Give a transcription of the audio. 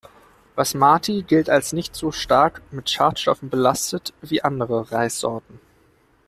Basmati gilt als nicht so stark mit Schadstoffen belastet wie andere Reissorten.